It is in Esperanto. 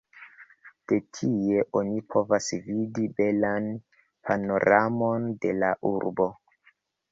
De tie oni povas vidi belan panoramon de la urbo.